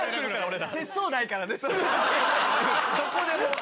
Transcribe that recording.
どこでも。